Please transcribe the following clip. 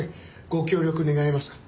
ご協力願えますか？